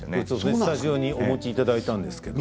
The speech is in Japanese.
スタジオにお持ちいただいたんですけれども。